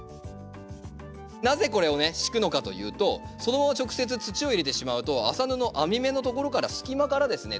なぜこれをね敷くのかというとそのまま直接土を入れてしまうと麻布編み目のところから隙間からですね